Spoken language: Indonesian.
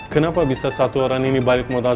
kenapa bisa satu orang ini balik modal